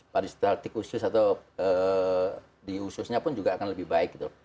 pariwisata khusus atau di ususnya pun juga akan lebih baik gitu